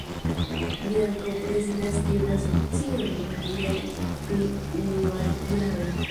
Li ankaŭ prezidas tiun asocion dum ĝiaj tri unuaj jaroj.